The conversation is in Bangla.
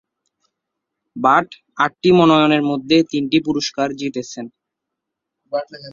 ভাট আটটি মনোনয়নের মধ্যে তিনটি পুরস্কার জিতেছেন।